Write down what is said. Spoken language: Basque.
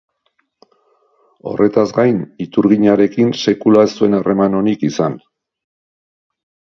Horretaz gain, iturginarekin sekula ez zuen harreman onik izan.